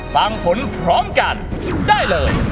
ฟังผลพร้อมกันได้เลย